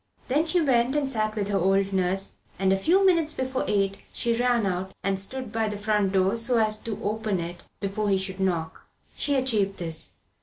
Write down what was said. Then she went and sat with the old nurse, and a few minutes before eight she ran out and stood by the front door so as to open it before he should knock. She achieved this.